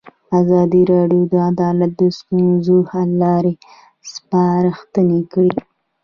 ازادي راډیو د عدالت د ستونزو حل لارې سپارښتنې کړي.